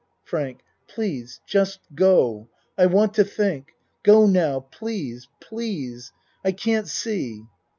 FRANK Please Just go I want to think. Go now please pi ease. I can't see.